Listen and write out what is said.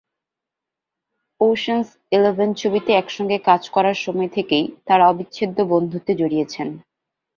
Ocean's Eleven ছবিতে একসঙ্গে কাজ করার সময় থেকেই তাঁরা অবিচ্ছেদ্য বন্ধুত্বে জড়িয়েছেন।